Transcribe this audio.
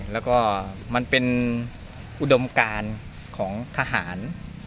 แล้วก็มันเป็นอุดมการของทหาร